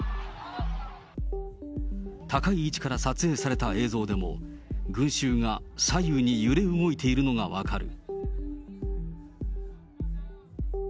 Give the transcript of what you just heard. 高い位置から撮影された映像でも、群衆が左右に揺れ動いているのが分かる。